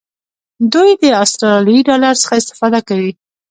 دوی د آسترالیایي ډالر څخه استفاده کوي.